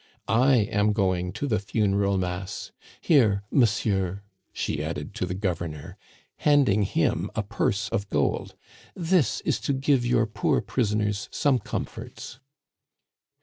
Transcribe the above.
I am going to the funeral mass. Here, monsieur," she added to the Governor, handing him a purse of gold, "this is to give your poor prisoners some comforts."